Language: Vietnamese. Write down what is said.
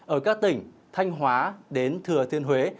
ở các tỉnh thanh hóa đến thừa thiên huế